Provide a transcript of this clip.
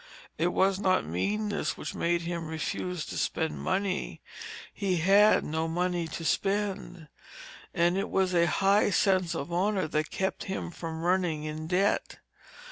It was not meanness which made him refuse to spend money; he had no money to spend, and it was a high sense of honor that kept him from running in debt.